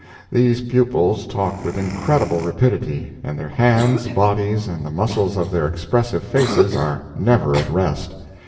These pupils talk with incredible rapidity, and their hands, bodies, and the muscles of their expressive faces are never at rest.